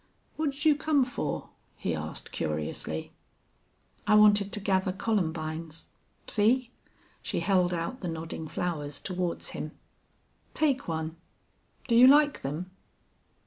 "What'd you come for?" he asked, curiously. "I wanted to gather columbines. See." She held out the nodding flowers toward him. "Take one.... Do you like them?"